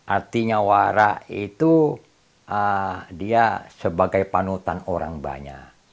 artinya warah itu dia sebagai panutan orang banyak